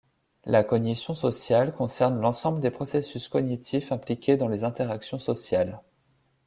La cognition sociale concerne l'ensemble des processus cognitifs impliqués dans les interactions sociales.